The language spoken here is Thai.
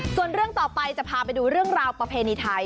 ส่วนเรื่องต่อไปจะพาไปดูเรื่องราวประเพณีไทย